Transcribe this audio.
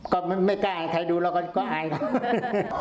ก็ไม่กล้าใครดูแล้วก็อายครับ